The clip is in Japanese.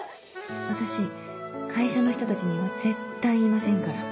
私会社の人たちには絶対言いませんから。